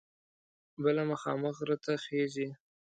بله مخامخ غره ته خیژي.